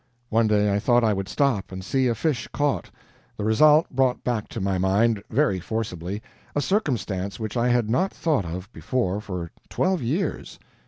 One day I thought I would stop and see a fish caught. The result brought back to my mind, very forcibly, a circumstance which I had not thought of before for twelve years.